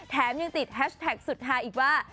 แถมยังติดแฮชแท็กสุดท้ายอีกว่า